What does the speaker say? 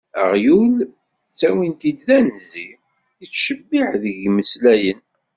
Aɣyul ttawin-t-id d anzi, yettcebbiḥ deg yimeslayen.